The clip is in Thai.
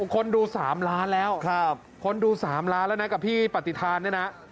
คนดู๓ล้านแล้วคนดู๓ล้านแล้วนะกับพี่ปฏิทานเนี่ยนะ